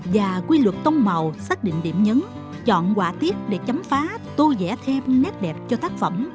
và quy luật tông màu xác định điểm nhấn chọn quả tiết để chấm phá tô dẻ thêm nét đẹp cho tác phẩm